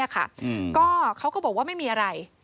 เขาก็บอกว่าไม่มีอะไร